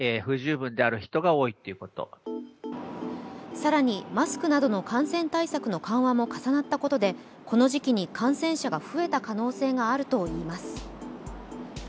更に、マスクなどの感染対策の緩和も重なったことでこの時期に感染者が増えた可能性があるといいます。